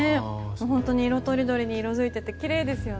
本当に色とりどり色づいていてきれいですね。